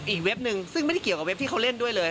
เว็บนึงซึ่งไม่ได้เกี่ยวกับเว็บที่เขาเล่นด้วยเลย